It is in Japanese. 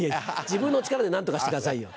自分の力で何とかしてくださいよ。